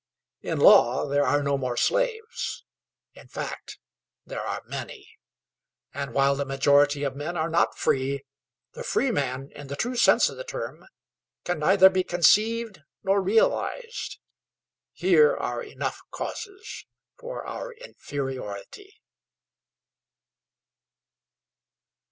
In law, there are no more slaves in fact, there are many. And while the majority of men are not free, the free man, in the true sense of the term, can neither be conceived nor realized. Here are enough causes for our inferiority.